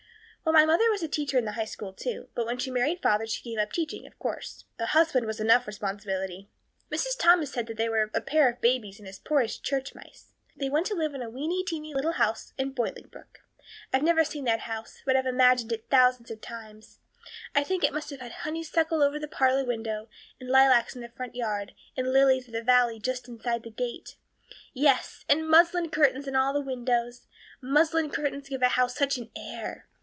Well, my mother was a teacher in the High school, too, but when she married father she gave up teaching, of course. A husband was enough responsibility. Mrs. Thomas said that they were a pair of babies and as poor as church mice. They went to live in a weeny teeny little yellow house in Bolingbroke. I've never seen that house, but I've imagined it thousands of times. I think it must have had honeysuckle over the parlor window and lilacs in the front yard and lilies of the valley just inside the gate. Yes, and muslin curtains in all the windows. Muslin curtains give a house such an air.